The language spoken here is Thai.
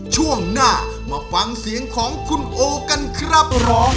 ช่วงหน้ามาฟังเสียงของคุณโอกันครับร้อง